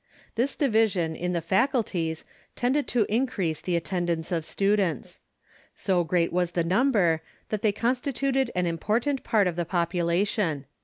This division in the fac ulties tended to increase the attendance of students. So great was the number that they constituted an important part of the population.